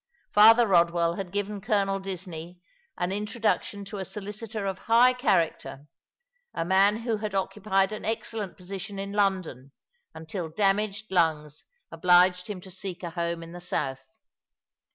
Father Eodwell had given Colonel Disney an introduction to a solicitor of high character, a man who had occupied an excellent position in London until damaged lungs obliged him to seek a home in the south.